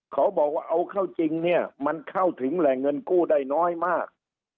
เขาบอกว่าเอาเข้าจริงเนี่ยมันเข้าถึงแหล่งเงินกู้ได้น้อยมาก